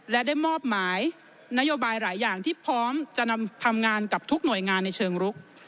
และได้มอบหมายนโยบายหลายอย่างที่พร้อมจะทำงานกับทุกหน่วยงานในเชิงรุก